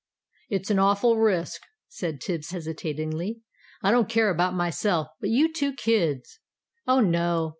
"It's an awful risk," said Tibbs, hesitatingly; "I don't care about myself but you two kids!" "Oh, no!